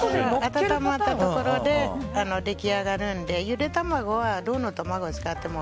温まったところで出来上がるのでゆで卵は、どの卵を使っても。